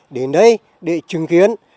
đến đây để chứng kiến